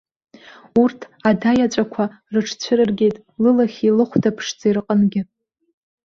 Урҭ ада иаҵәақәа рыҽцәырыргеит лылахьи лыхәда ԥшӡеи рҟынгьы.